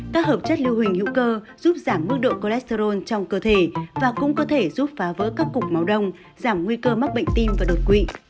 các hợp chất lưu hình hữu cơ giúp giảm mức độ cholesterol trong cơ thể và cũng có thể giúp phá vỡ các cục máu đông giảm nguy cơ mắc bệnh tim và đột quỵ